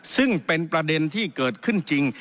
ซึ่งเป็นประเด็นที่เกิดขึ้นจริง